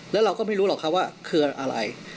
แล้วเราก็ไม่รู้หรอกครับว่าคืออะไร